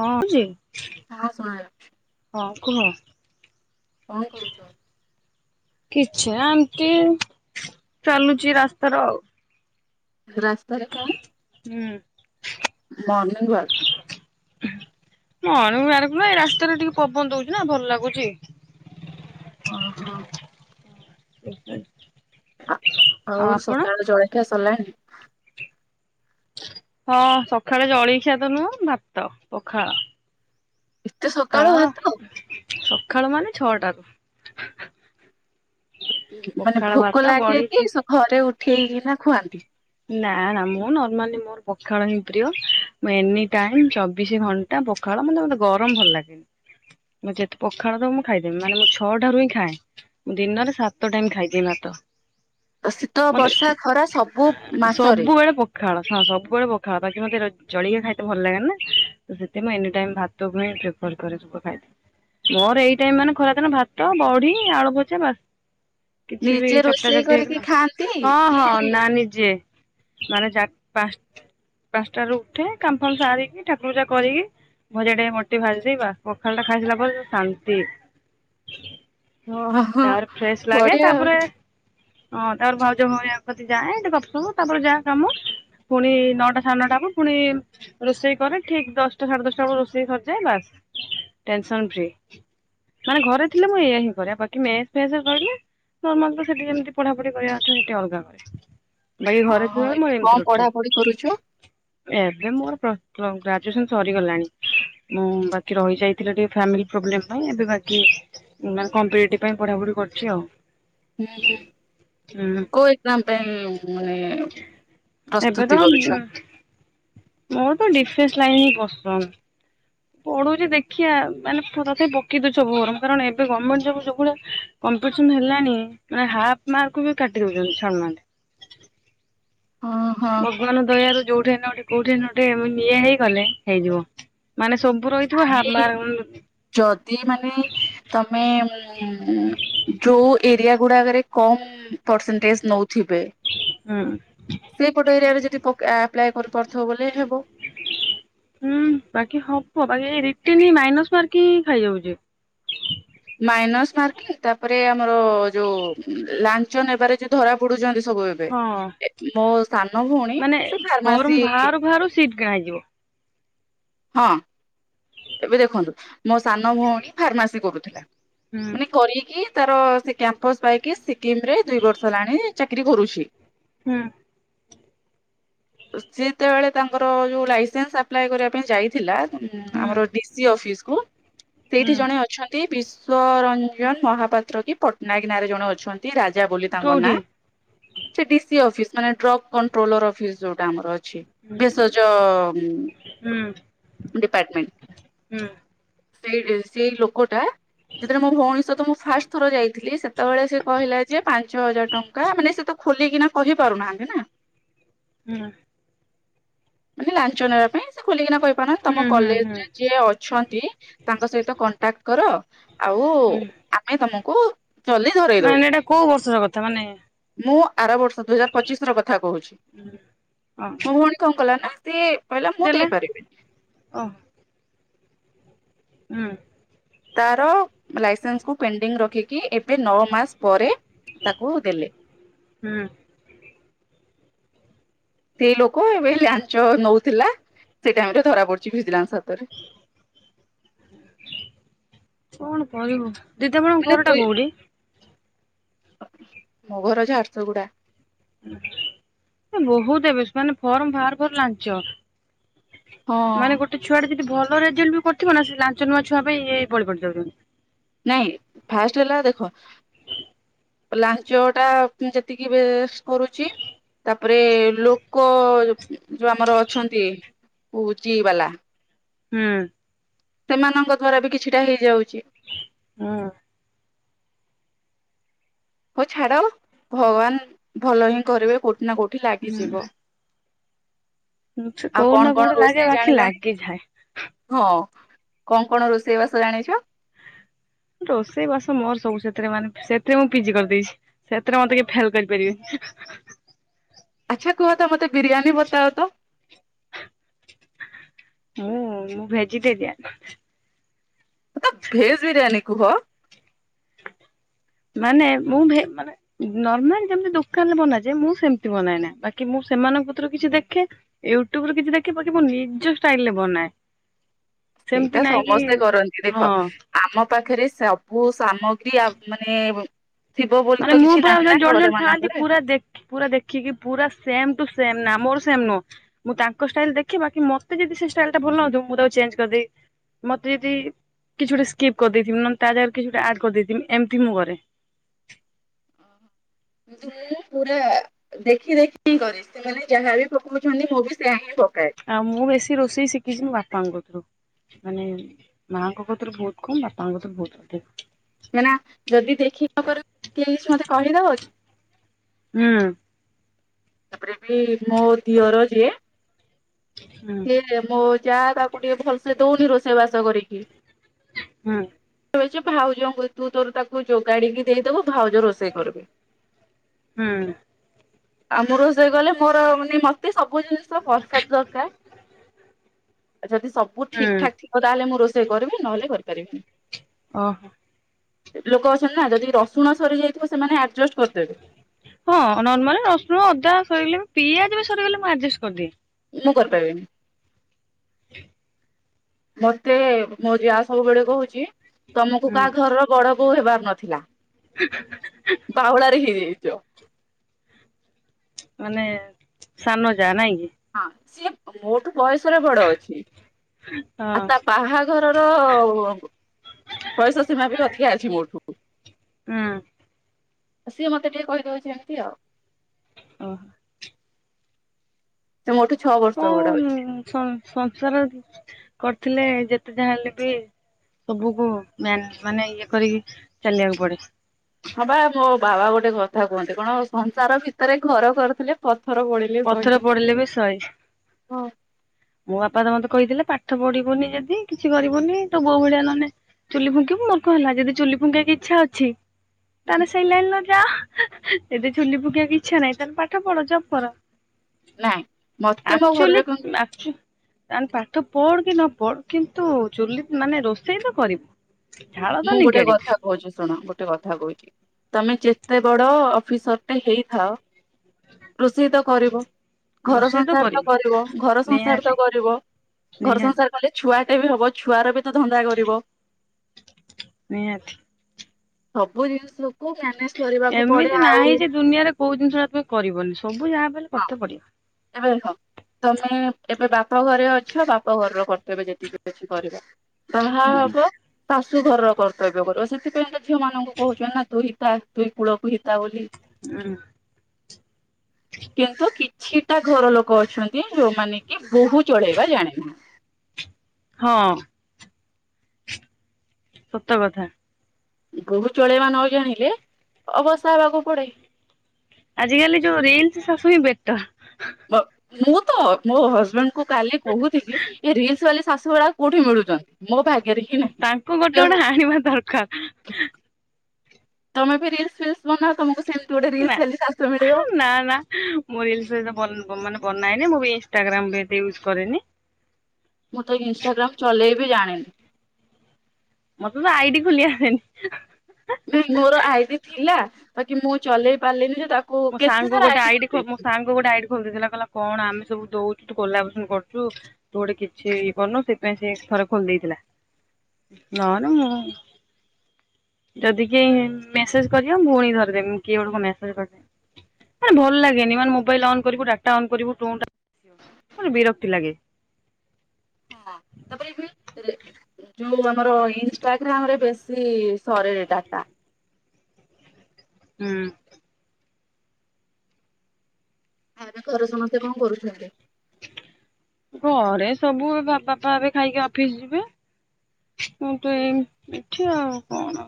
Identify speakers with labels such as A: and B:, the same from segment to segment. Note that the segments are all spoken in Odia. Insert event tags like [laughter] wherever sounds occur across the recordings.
A: ହଁ ଅଛି ଯେ।
B: ହଁ ଶୁଣାଯାଉଛି।
A: ହଁ କୁହ।
B: କଣ କରୁଚ?
A: [inaudible]
B: [inaudible]
A: ହୁଁ।
B: [inaudible]
A: [inaudible] [inaudible]
B: ଓ ହୋ।
A: [inaudible]
B: ଆ- ଆଉ ସକାଳ ଜଳଖିଆ ସରିଲାଣି?
A: ହଁ ସକାଳେ ଜଳଖିଆ ତ ନୁହଁ ଭାତ ପଖାଳ।
B: ଏତେ
A: ହଁ,
B: ସକାଳୁ ଭାତ
A: ସଖାଳ ମାନେ ଛଅଟାରୁ।
B: ମାନେ
A: ପଖାଳ ଭାତ
B: ଭୋକ
A: ବଢି
B: ଲାଗେଇ
A: ଚୁ
B: କି ସେ ଘରେ ଉଠେଇକିନା ଖୁଆନ୍ତି?
A: ନା ନା ମୁଁ ନର୍ମାଲି ମୋ ପଖାଳ ହିଁ ପ୍ରିୟ। ମୁଁ ଏନି ଟାଇମ, ଚବିଶ ଘଣ୍ଟା ପଖାଳ ମାନେ ମତେ ଗରମ ଭଲ ଲାଗେ ନି ମୁଁ ଯେତେ ପଖାଳ ଦବ ମୁଁ ଖାଇଦେବି ମାନେ ମୁଁ ଛଅ ଟାରୁ ହିଁ ଖାଏ। ଦିନରେ ସାତ ଟାଇମ ଖାଇଦିଏ ଭାତ।
B: ଶୀତ, ବର୍ଷା, ଖରା ସବୁ।
A: ହଁ।
B: ମାସରେ
A: ସବୁବେଳେ ପ ପଖାଳ। ହଁ ସବୁବେଳେ ପଖାଳ ବାକି ମତେ ଜଳିଖିଆ ଖାଇତେ ଭଲ ଲାଗେନ ନା। ତ ସେଥିପାଇଁ ଏନି ଟାଇମ ଭାତ। [unintelligible] ମୋର ଏଇ ଟାଇମ ମାନେ ଖରା ଦିନ ଭାତ, ବଢି, ଆଳୁ ଭଜା ବାସ। କିଛି ବି
B: ନିଜେ
A: ଚକଟା
B: ରୋଷେଇ
A: ଚକଟି
B: କରିକି
A: ହେଇଗଲା
B: ଖାଆନ୍ତି
A: ହଁ
B: କି
A: ହଁ ନା ନି ଯେ ମାନେ ଚାର ପାଞ୍ଚ ପାଞ୍ଚଟାରୁ ଉଠେ କାମ ଫାମ ସାରିକି ଠାକୁର ପୂଜା କରିକି ଭଜା ଟିକେ ମୋର ଟି ଭାଜିଦେଇବା ପଖାଳ ଟା ଖାଇସାରିଲା ପରେ ଯୋଉ ଶାନ୍ତି।
B: ଓହୋ
A: ତାପରେ ଫ୍ରେଶ ଲାଗେ
B: ବଢିଆ ଆଉ
A: ତାପରେ ହଁ ତାପରେ ଭାଉଜହରିକାଙ୍କ କତିକି ଯାଏ ସେ ଗପ ହବ ତାପରେ ଯାହା କାମ ପୁଣି ନଅଟା, ସାଢେ ନଅଟା ହବ ପୁଣି ରୋଷେଇ କରେ ଠିକ ଦଶଟା, ସାଢେ ଦଶଟା ବେଳକୁ ରୋଷେଇ କରିଯାଏ, ବାସ ଟେନସନ ଫ୍ରି। ମାନେ ଘରେ ଥିଲେ, ମୁଁ ଏଇଆ ହିଁ କରେ ଆଉ ବାକି ମେସ୍ ଫେସରେ ରହିଲେ ନର୍ମାଲ ତ ସେଠି ଯେମିତି ପଢାପଢି କରିବା କଥା ସେଠି ଅଲଗା କରେ। ବାକି ଘରେ
B: ଓହୋ
A: ଥିଲାବେଳେ
B: ଏବେ
A: ମୋର
B: କଣ
A: ଏମିତି
B: ପଢାପଢି କରୁଛ
A: ରୁଟିନ। ଏବେ ମୋର ପ୍ଲସ ଟୁ, ଗ୍ରାଜୁଏସନ୍ ସରିଗଲାଣି। ମୁଁ ବାକି ରହିଯାଇଥିଲି ଟିକେ ଫ୍ୟାମିଲି ପ୍ରୋବ୍ଲେମ ପାଇଁ, ଏବେ ବାକି। ମାନେ କମ୍ପ୍ଲିଟ ପାଇଁ ପଢାପଢି କରୁଛି ଆଉ।
B: ହୁଁ ହୁଁ
A: ହୁଁ
B: କୋଉ ଏକ୍ସାମ ପାଇଁ ଉଁ ମାନେ
A: ଏବେ
B: ପ୍ରସ୍ତୁତି କରୁଛ?
A: ତ ମୋର ତ ଡିଫେନ୍ସ ଲାଇନି ହିଁ ପସନ୍ଦ। ପଢୁଛି ଦେଖିବା, ମାନେ ପ ତଥାପି ପକେଇ ଦଉଚି ସବୁ ବରଂ, କାରଣ ଏବେ ଗଭର୍ଣ୍ଣମେଣ୍ଟ ଜବ ଯୋଉ ଭଳିଆ କମ୍ପିଟିସନ୍ ହେଲାଣି, ମାନେ ହାଫ୍ ମାର୍କ ବି କାଟି ଦେଉଛନ୍ତି, ଛାଡ଼ୁନାହାନ୍ତି।
B: ହଁ
A: ଭଗ ଭଗବାନଙ୍କ ଦୟାରୁ ଯୋଉଠି ହେନେ ଗୋଟେ କୋଉଠି ହେନେ ଗୋଟେ [unintelligible] ଇଏ ହେଇଗଲେ, ହେଇଯିବ। ମାନେ ସବୁର ର
B: ଭାଇ, ଯଦି ମାନେ ତମେ ଉଁ, ଯୋଉ ଏରିଆ ଗୁଡାକରେ କମ୍ ପରସେଣ୍ଟେଜ ନଉଥିବେ
A: ହୁଁ
B: ସେଇପଟ ଏରିଆରେ ଯଦି ପକ୍ ଆପ୍ଲାଏ କରିପାରୁଥିବ ବଲେ ହେବ।
A: ହୁଁ ବାକି ହବ, ବାକି ଏଇ ରିଟିନ୍ ହିଁ ମାଇନସ ମାର୍କକିଙ୍ଗ ହିଁ ଖାଇଯାଉଛି।
B: ମାଇନସ୍ ମାର୍କିଂ, ତାପରେ ଆମର ଯୋଉ, ଲାଞ୍ଚ ନେବାରେ ଯୋଉ ଧରା ପଡୁଛନ୍ତି ସବୁ ଏବ
A: ହଁ
B: ବେ ମୋ ସାନ ଭଉଣୀ,
A: ମାନେ
B: ସେ
A: ଫର୍ମ
B: ଫାର୍ମାସି
A: ବାହାରୁ ବାହାରୁ ସିଟ କିଣା ହେଇଯିବ।
B: ହଁ। ଏବେ ଦେଖନ୍ତୁ, ମୋ ସାନ ଭଉଣୀ ଫାର୍ମାସି କରୁଥିଲା
A: ହୁଁ
B: ମାନେ କରିକି ତାର ସେକ୍ କ୍ୟାମ୍ପସ୍ ପାଇକି, ସିକିମରେ ଦୁଇ ବର୍ଷ ହେଲାଣି ଚାକିରୀ କରୁଛି।
A: ହୁଁ।
B: ତ ସିଏ ଯେତେବେଳେ ତାଙ୍କର ଯୋଉ ଲାଇସେନ୍ସ ଆପ୍ଲାଏ କରିବା ପାଇଁ ଯାଇଥିଲା
A: ହୁଁ
B: ଆମର ଡିସି ଅଫିସ କୁ ସେଇଠି
A: ହୁଁ
B: ଜଣେ ଅଛନ୍ ନ୍ତି ବିଶ୍ଵରଞ୍ଜନ ମହାପାତ୍ର କି ପଟ୍ଟନାୟକ ନାଁରେ ଜଣେ ଅଛନ୍ତି ରାଜା ବୋଲି ତାଙ୍କ
A: କୋଉଠି
B: ନାଁ ସେ ଡିସି ଅଫିସ ମାନେ ଡ୍ରଗ୍ କଣ୍ଟ୍ରୋଲର ଅଫିସ ଯୋଉଟା ଆମର ଅ ଛି
A: ହୁଁ।
B: ଭେଷଜ ଉଁ
A: ହୁଁ
B: ଡିପାର୍ଟମେଣ୍ଟ।
A: ହୁଁ।
B: ସେଇ ସେଇ ଲୋକଟା ଯେତେବେଳେ ମୋ ଭଉଣୀ ସହିତ ମୁଁ ଫାଷ୍ଟ ଥର ଯାଇଥିଲି, ସେତେବେଳେ ସେ କହିଲା ଯେ ପାଞ୍ଚ ହଜାର ଟଙ୍କ ଙ୍କା ମାନେ ସେ ତ ଖୋଲିକିନା କହି ପାରୁନାହାନ୍ତି ନା।
A: ହୁଁ।
B: ମାନେ ଲାଞ୍ଚ ନେବା ପାଇଁ ସେ ଖୋଲିକିନା କହିପାରୁନାହାଁନ୍ତି। ତମ
A: ହୁଁ ହୁଁ ହୁଁ
B: କଲେଜରେ ଯିଏ ଅ ଛନ୍ତି ତାଙ୍କ ସହିତ କଣ୍ଟାକ୍ଟ କର, ଆଉ
A: ହୁଁ
B: ଆମେ ତମକୁ ଜଲ୍ଦି ଧରେଇ ଦବୁ
A: ମାନେ ଏଇଟା କୋଉ ବର୍ଷର କଥା। ମାନେ
B: ମୁଁ ଆର ବର୍ଷ ମାନେ ଦୁଇ ହଜାର ପଚିଶର କଥା କହୁଛି
A: ଓହୋ
B: ମୋ ଭଉଣୀ କଣ କଲା ନା ସେ କହିଲା ମୁଁ ଦେଇପାରିବିନି।
A: ଅ। ହୁଁ।
B: ତାର ଲାଇସେନ୍ସକୁ ପେଣ୍ଡିଙ୍ଗ ରଖିକି ଏବେ ନଅ ମାସ ପରେ ତାକୁ ଦେଲେ।
A: ହୁଁ।
B: ସେଇ ଲୋକ ଏବେ ଲାଞ୍ଚ ନଉଥିଲା ସେଇ ଟାଇମ ରେ ଧରା ପଡଛି ଭିଜିଲାନ୍ସ ହାତରେ।
A: କଣ କରିବୁ ଦିଦି ଆପଣଙ୍କ
B: ମାନେ
A: ଘରଟା
B: ଦୁଇ
A: କୋଉଠି?
B: ମୋ ଘର ଝାରସୁଗୁଡା।
A: ବହୁତ ଏବେ ସେମାନେ ଫର୍ମ ବାହାରୁ ବାହାରୁ ଲାଞ୍ଚ।
B: ହଁ
A: ମାନେ ଗୋଟେ ଛୁଆ ଟେ ଯଦି ଭଲ ରେଜଲ୍ଟ ବି କରିଥିବ ନା ସେ ଲାଞ୍ଚ ନେବା ଛୁଆ ପାଇଁ ଏଇ ବି ବଳି ପଡିଯାଉଛନ୍ତି।
B: ନାଇଁ ଫାଷ୍ଟ ହେଲା ଦେ ଲାଞ୍ଚ ଟା ଯେତିକି ବେଶ କରୁଛି। ତାପରେ ଲୋକୋ ଯୋଉ ଆମର ଅଛନ୍ତି [unintelligible]
A: ହୁଁ।
B: ସେମାନଙ୍କ ଦ୍ଵାରା ବି କିଛିଟା ହେଇଯାଉଛି।
A: ହୁଁ।
B: ହୋଉ ଛାଡ ଭଗବାନ ଭଲ ହିଁ କରିବେ କୋଉଠି ନା କୋଉଠି ଲାଗିଯିବ।
A: ହୁଁ ସେ
B: ଆଉ
A: କୋଉଠି ନା
B: କଣ
A: କୋଉଠି
B: କଣ
A: ଲାଗେ
B: ରୋଷେଇ
A: ବାକି
B: ଜାଣିଲଣି।
A: ଲାଗିଯାଏ।
B: ହଁ କଣ କଣ ରୋଷେଇ ବାସ ଜାଣିଛ।
A: ରୋଷେଇ ବାସ ମୋର ସବୁ ସେଥିରେ ମାନେ ସେଥିରେ ମୁଁ ପିଜି କରିଦେଇଛି। ସେଥିରେ ମୋତେ କେହି ଫେଲ୍ କରିପାରିବେନି।
B: ଆଚ୍ଛା କୁହ ତ ମୋତେ ବିରିୟାନୀ ବତାଅ ତ।
A: ମୁଁ ଭେଜିଟେରିଆନ।
B: ତ ଭେଜ ବିରିୟାନୀ କୁହ।
A: ମାନେ ମୁଁ ବି ମାନେ। ନର୍ମାଲ ଯେମତି ଦୋକାନରେ ବନାଯାଏ ମୁଁ ସେମିତି ବନାଏନା ବାକି ମୁଁ ସେମାନଙ୍କିତରୁ କିଛି ଦେଖେ। ୟୁଟ୍ୟୁବରେ କିଛି ଦେଖି ପାଖୀ ମୁ ନିଜ ଷ୍ଟାଇଲରେ ବନାଏ। ସେମିତି
B: ସେଇଟା
A: ନାଇଁ କି
B: ସମସ୍ତେ କରନ୍ତି
A: ହଁ
B: ଦେଖ। ଆମ ପାଖରେ ସବୁ ସାମଗ୍ରୀ ଆଉ ମାନେ ଏ ଥିବ ବୋଲି
A: ମାନେ
B: ତ
A: ମୁଁ
B: କିଛି
A: ପୁରା
B: ନାହିଁ
A: ଜଣେ
B: ନା
A: ଜଣେ
B: ଘର
A: ଥାଆନ୍ତି
B: ମାନଙ୍କରେ
A: ପୁରା ଦେଖି ପୁରା ଦେଖିକି ପୁରା ସେମ ଟୁ ସେମ ନା ମୋର ସେମ ନୁହଁ। ମୁଁ ତାଙ୍କ ଷ୍ଟାଇଲ ଦେଖୀ ବାକି ମତେ ଯଦି ସେ ଷ୍ଟାଇଲ ଟା ଭଲଲାଗୁ ନଥିବ ମୁଁ ତାକୁ ଚେଞ୍ଜ କରିଦେବି। ମତେ ଯଦି କିଛି ଗୋଟେ ସ୍କ୍ରିପ କରିଦେଇଥିବି ନହେଲେ ତା ଜାଗାରେ କିଛି ଗୋଟେ ଆଡ କରିଦେଇଥିବି ଏମିତି ମୁ କରେ।
B: [unintelligible] ପୁରା। ଦେଖି ଦେଖି କରେ ସେମାନେ ଯାହା ବି ପୋକାଉଛନ୍ତି ମୁଁ ବି ସେୟା ହିଁ ପକାଏ।
A: ଆଉ ମୁଁ ବେଶୀ ରୋଷେଇ ଶିଖିଛି ବାପାଙ୍କ ଟୁ ମାନେ ମାଙ୍କ କତିରୁ ବହୁତ କମ୍ ବାପାଙ୍କ କତିରୁ ବହୁତ ଅଧିକ
B: କେନା ଯଦି ଦେଖି ନ କର କିଏ ଅଛି ମତେ କହିଦବ କି
A: ହୁଁ
B: ତାପରେ ବି ମୋ ଦିଅର ଯିଏ
A: ହୁଁ
B: ସେଏ ମୋ ଯା ତାକୁ ଟିକେ ଭଲସେ ଦଉନି ରୋଷେଇ ବାସ କରିକି
A: ହଁ
B: [unintelligible] ଭାଉଜଙ୍କୁ ତୁ ତୋର ତାକୁ ଯୋଗାଡିକି ଦେଇଦବୁ ଭାଉଜ ରୋ ସେ କରିବେ।
A: ହୁଁ
B: ଆଉ ମୁଁ ରୋଷେଇ କଲେ ମୋର ମାନେ ମତେ ସବୁ ଜିନିଷ ପ୍ରଫେକ୍ଟ ଦରକାର୍। ଆଉ ଯଦି ସବୁ ଠିକ
A: ହୁଁ
B: ଠାକ୍ ଥିବ ତାହେଲେ ମୁଁ ରୋଷେଇ କରିବି ନହେଲେ କରି ପାରିବିନି।
A: ଓହୋ।
B: ଲୋକ ଅଛନ୍ତି ନା ଯଦି ବି ରସୁଣ ସରି ଯାଇଥିବ ସେମାନେ ଆଡ଼ଜଷ୍ଟ କରିଦେବେ।
A: ହଁ ନର୍ମାଲି ରସୁଣ ଅଦା ସରିଗଲେ ପିଆଜ ବି ସରିଗଲେ ମୁଁ ଆଡଜେଷ୍ଟ କରିଦିଏ।
B: ମୁଁ କରି ପାରିବିନି। ମତେ ମୋ ଯାହା ସବୁବେଳେ କହୁଛି ତମକୁ
A: ହୁଁ
B: କାହା ଘରର। ବଡ ବୋହୁ ହେବାର ନଥିଲା। ବାଉଳା ରେ ହେଇ ଯାଇଛି।
A: ମାନେ ସାନ ଯା ନାଇଁ କି।
B: ହଁ ସିଏ ମୋଠୁ ବୟସରେ ବଡ ଅଛି। ଆଉ
A: ହଁ
B: ତା ବାହାଘର ର। ବୟସ ସୀମା ବି ଅଧିକା ଅଛି ମୋଠୁ।
A: ଉଁ।
B: ସିଏ ମତେ ଟିକେ କହି ଦଉଛି ଏମତି ଆଉ।
A: ଓ ହୋ।
B: ସେ ମୋଠୁ ଛଅ ବର୍ଷ ବଡ ଅଛି।
A: ସଂ ସଂସାର କରିଥିଲେ ଯେତେ ଯାହା ହେଲେ ବି। ସବୁକୁ ମ୍ଯାନ୍ ମାନେ ଇଏ କରିକି ଚାଲିବାକୁ ପଡ଼େ।
B: ହଁ ବା ମୋ ବାବା ଗୋଟେ କଥା କୁହନ୍ତି କଣ ସଂସାର ଭିତରେ ଘର କରିଥିଲେ ପଥର ପଡ଼ି ଲେ
A: ପଥର
B: ସହି
A: ପଡିଲେ ବି ସରି
B: ହଁ।
A: ମୋ ବାପା ତ ମତେ କହିଥିଲେ ପାଠ ପଢିବୁନି ଯଦି କିଛି କରିବୁନି ତୋ ବୋଉ ଭଳିଆ ନହେନେ ଚୁଲି ଫୁଙ୍କିବୁ ମୋର କଣ ହେଲା ଯଦି ଚୁଲି ଫୁଙ୍କିବାକୁ ଇଚ୍ଛା ଅଛି। ତାହେନେ ସେଇ ଲାଇନର ଯା ଯଦି ଚୁଲି ଫୁଙ୍କିଆକୁ ଇଚ୍ଛା ନାହିଁ ତାହେଲେ ପାଠ ପଢ଼ ଜବ୍ କର।
B: ନାଇଁ ମତେ ମୋ ଘର
A: ଆକ୍ଚୁଆଲି
B: ଲୋକ
A: ଆ ତାହେନେ ପାଠ ପଢ କି ନ ପଢ କିନ୍ତୁ ଚୁଲି ମାନେ ରୋଷେଇ ତ କରିବୁ। ଝାଳ ତ
B: ମୁଁ ଗୋଟେ
A: ନିଗାଡିବୁ
B: କଥା କହୁଛି ଶୁଣ ଗୋଟେ କଥା କହୁଛି ତମେ ଯେତେ ବଡ ଅଫିସର। ଟେ ହେଇଥାଅ। ରୋଷେଇ ତ କରିବ ଘର
A: ରୋଷେଇ
B: ସଂସାର ତ
A: କରିବୁ
B: କରିବ ଘର ସଂସାର
A: ନିହାତି
B: ତ କରିବ। ଘର
A: ନିହାତି।
B: ସଂସାର କଲେ ଛୁଆଟେ ବି ହବ ଛୁଆର ବି ତ ଧନ୍ଦା କରିବ।
A: ନିହାତି।
B: ସବୁ ଜିନିଷକୁ ମ୍ୟାନେଜ୍ କରିବାକୁ ପଡେ
A: ଏମିତି ନାହିଁ
B: ଆଉ।
A: ଯେ ଦୁନିଆରେ କୋଉ ଜିନିଷ ଟା ତମେ କରିବନି ସବୁ ଯାହା ବି ହେଲେ।
B: ହଁ
A: କରିତେ ପଡିବ।
B: ଏବେ ଦେଖ। ତମେ ଏବେ ବାପଘରେ ଅଛ ବାପଘର ର କର୍ତ୍ତବ୍ୟ ଯେତିକି ବି ଅଛି କରିବ। ବାହା ହବ। ଶାଶୁ ଘରର କର୍ତ୍ତବ୍ୟ କରିବ, ସେଥିପାଇଁ ତ ଝିଅ ମାନଙ୍କୁ କହୁଛନ୍ତି ନା ଦୁହିତା ଦୁଇ କୂଳକୁ ହିତା ବୋଲି।
A: ଉଁ।
B: କିନ୍ତୁ କିଛିଟା ଘର ଲୋକ ଅଛନ୍ତି, ଯୋଉମାନେ କି ବୋହୁ ଚଳେଇବା ଜାଣିନାହାନ୍ତି।
A: ହଁ ସତ କଥା।
B: ବୋହୁ ଚଳେଇବା ନ ଜାଣିଲେ ଅବସ୍ଥା ହେବାକୁ ପଡ଼େ।
A: ଆଜି କାଲି ଯୋଉ ରିଲସ୍ ଶାଶୁ ହିଁ ବେଟର।
B: ବ ମୁଁ ତ ମୋ ହଜବେଣ୍ଡ କୁ କାଲି କହୁଥିଲି ଏ ରିଲସ୍ ବାଲି ଶାଶୁ ଗୁଡ଼ାକ। କୋଉଠି ମିଳୁଚନ୍ତି? ମୋ ଭାଗ୍ୟରେ ହିଁ ନାହିଁ
A: ତାଙ୍କୁ ଗୋଟେ
B: ଯା ହଉ
A: ଗୋଟେ ଆଣିବା ଦରକାର।
B: ତମେ ବି ରିଲସ୍ ଫିଲସ୍ ବନାଅ ତମକୁ ସେମତି ଗୋଟେ
A: ନା।
B: ରିଲସ୍ ବାଲି ଶାଶୁ ମିଳିବ।
A: ନା ନା। ମୁଁ ରିଲସ୍ ଫିଲସ୍ ବନ ମାନେ ବନାଏନି ମୁଁ ବି ଇନଷ୍ଟାଗ୍ରାମ ବି ଏତେ ୟୁଜ୍ କରେନି।
B: ମୁଁ ତ ଇନଷ୍ଟାଗ୍ରାମ୍ ଚଲେଇବି ଜାଣିନି।
A: ମତେ ତ ଆଇଡି ଖୋଲି ଆସେନି।
B: ହୁଁ ମୋର ଆଇଡି ଥିଲା ବାକି ମୁଁ ଚଲେଇ ପାରିଲିନି ଯେ ତା
A: ମୋ ସାଙ୍ଗକୁ ଗୋଟେ ଆଇଡି ଖୋ ମୋ ସାଙ୍ଗ୍ ସେ ଗୋଟେ ଆଇଡି ଖୋଲି ଦେଇଥିଲା କହିଲା କଣ ଆମେ ସବୁ ଦଉଚୁ ତୁ କୋଲାବସନ କରୁଚୁ। ତୁ ଗୋଟେ କିଛି ଇ କରନୁ ସେଥିପାଇଁ ସିଏ ଥରେ ଖୋଲି ଦେଇଥିଲା ନ ହେନେ ମୁଁ ଯଦି କେହି ମେସେଜ୍ କରିବ ମୁଁ ଭଉଣିକୁ ଧରେଇ ଦେମି କିଏ ଗୋଟେ କଣ ମେସେଜ କରିଛି। ହେ ଭଲ ଲାଗେନି ମାନେ ମୋବାଇଲ୍ ଅନ୍ କରିବୁ ଡାଟା ଅନ୍ କରିବୁ ଟୁଁ ଟାଁ, ମାନେ ବିରକ୍ତି ଲାଗେ।
B: ହଁ ତାପରେ [inaudible] ଯୋଉ ଆମର ଇନଷ୍ଟାଗ୍ରାମରେ ବେଶି ସରେ ଡାଟା।
A: ହୁଁ।
B: ଏବେ ଘରେ ସମସ୍ତେ କଣ କରୁଛନ୍ତି?
A: ଘରେ ସବୁ ଏ ବାପା, ବାପା ଏବେ ଖାଇକି ଅଫିସ ଯିବେ। ମୁଁ ତ ଏଇନେ ଏଠି ଆଉ କଣ।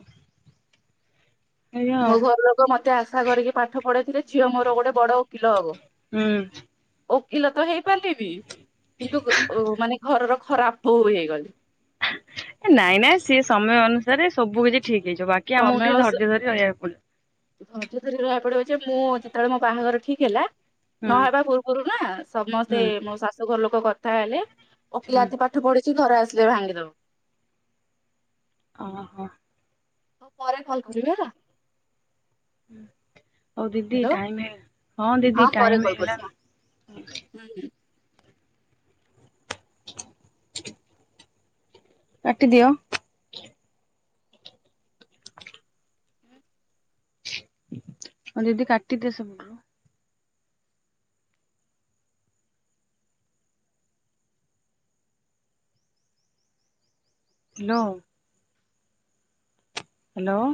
A: ଏଇଆ
B: ମୋ
A: ଆଉ।
B: ଘର ଲୋକ ମତେ ଆଶା କରିକି ପାଠ ପଢେଇଥିଲେ ଝିଅ ମୋର ଗୋଟେ ବଡ ଓକିଲ ହବ।
A: ହୁଁ
B: ଓକିଲ ତ ହେଇପାରିଲିନି କିନ୍ତୁ ଗ ମାନେ ଘରର ଖରାପ୍ ବୋହୂ ହେଇଗଲି।
A: ନାଇଁ ନାଇଁ ସେ ସମୟ ଅନୁସାରେ ସବୁ କିଛି ଠିକ୍ ହେଇଯିବ ବା କି ଆମକୁ
B: ତମେ
A: ଟିକେ ଧୈର୍ଯ୍ୟ ଧରି ରହିବାକୁ ପଡିବ।
B: ଧୈର୍ଯ୍ୟ ଧରି ରହିବାକୁ ପଡିବ ଯେ ମୁଁ ଯେତେବେଳେ ମୋ ବାହାଘର ଠିକ୍ ହେଲା
A: ହୁଁ
B: ନହେବା ପୂର୍ବରୁ ନା
A: ହୁଁ
B: ସମସ୍ତେ ମୋ ଶାଶୁଘର ଲୋକ କଥା ହେଲେ
A: ହୁଁ
B: ଓକିଲାତି ପାଠ୍ ପାଠ ପଢିଛି ଘର ଆସିଲେ ଭାଙ୍ଗିଦେବ।
A: ଓହୋଃ ‌
B: ମୁଁ ପରେ କଲ୍ କରିବି ହେଲା।
A: ହୁଁ, ହଉ ଦିଦି
B: ହ୍ୟାଲୋ
A: ଟାଇମ୍ ହେଇଗଲା ହଁ ଦିଦି
B: ପରେ
A: ଟାଇମ
B: କଲ୍ କରୁଛି ହଁ।
A: ହେଇଗଲାଣି ନା।
B: ହୁଁ ହୁଁ।
A: କାଟିଦିଅ। ହଁ ଦିଦି କାଟିଦିଅ ସେପଟରୁ। ହ୍ୟାଲୋ। ହ୍ୟାଲୋ।